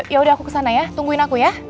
yaudah aku kesana ya tungguin aku ya